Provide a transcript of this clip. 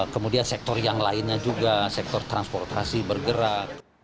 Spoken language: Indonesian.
kemudian sektor yang lainnya juga sektor transportasi bergerak